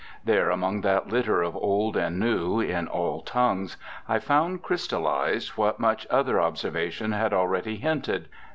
There, among that litter of old and new, in all tongues, I found crystallised what much other observation had already hinted.